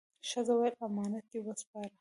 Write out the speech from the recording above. ښځه وویل: «امانت دې وسپاره؟»